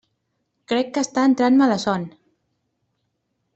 Crec que està entrant-me la son.